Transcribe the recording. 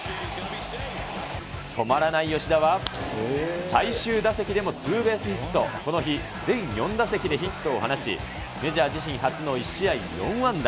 止まらない吉田は、最終打席でもツーベースヒット、この日、全４打席でヒットを放ち、メジャー自身初の１試合４安打。